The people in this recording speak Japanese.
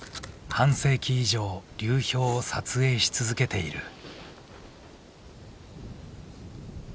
半世紀以上流氷を撮影し続けている。